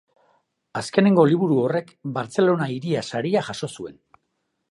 Azkeneko liburu horrek Bartzelona Hiria saria jaso zuen.